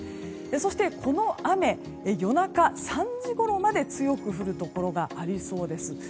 そして、この雨夜中３時ごろまで強く降るところがありそうです。